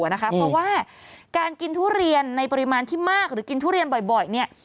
เพราะว่าการกินทุเรียนในปริมาณที่มากหรือกินทุเรียนบ่อยเนี่ย